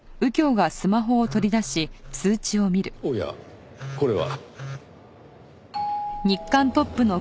おやこれは。